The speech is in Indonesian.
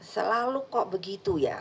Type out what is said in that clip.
selalu kok begitu ya